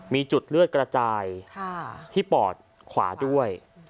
มีจุดเลือดกระจายที่ปอดขวาด้วย